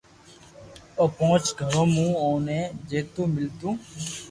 او پونچ گھرو مون اوني جيتو ميلتو